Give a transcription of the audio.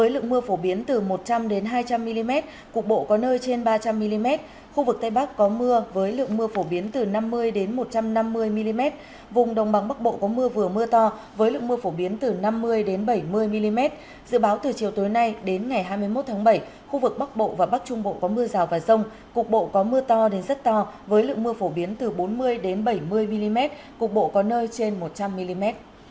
lượng mưa phổ biến từ một trăm linh hai trăm linh mm cục bộ có nơi trên ba trăm linh mm khu vực tây bắc có mưa với lượng mưa phổ biến từ năm mươi một trăm năm mươi mm vùng đông bắc bộ có mưa vừa mưa to với lượng mưa phổ biến từ năm mươi bảy mươi mm dự báo từ chiều tối nay đến ngày hai mươi một tháng bảy khu vực bắc bộ và bắc trung bộ có mưa rào và rông cục bộ có mưa to đến rất to với lượng mưa phổ biến từ bốn mươi bảy mươi mm cục bộ có nơi trên một trăm linh mm